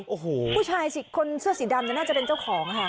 โอ้โหผู้ชายสิคนเสื้อสีดำน่าจะเป็นเจ้าของค่ะ